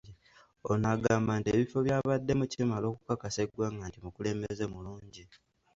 Ono agamba nti ebifo by’abaddemu kimala okukakasa eggwanga nti mukulembeze mulungi.